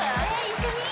一緒に？